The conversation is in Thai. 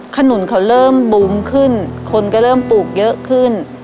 ขนุนเขาเริ่มบูมขึ้นคนก็เริ่มปลูกเยอะขึ้น